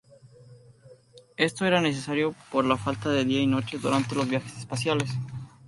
Esto era necesario por la falta de día y noche durante los viajes espaciales.